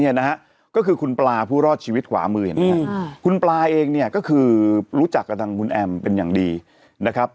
เนี่ยนะฮะก็คือคุณปลาผู้รอดชีวิตขวามือนะครับคุณปลาเองเนี่ยก็คือรู้จักกับทางคุณแอมเป็นอย่างดีนะครับ